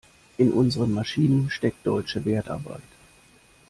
In unseren Maschinen steckt deutsche Wertarbeit.